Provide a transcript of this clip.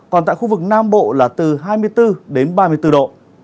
còn tại khu vực nam bộ là từ hai mươi bốn đến ba mươi bốn độ